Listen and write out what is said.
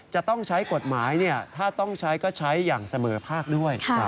จะต้องใช้กฎหมายถ้าต้องใช้ก็ใช้อย่างเสมอภาคด้วย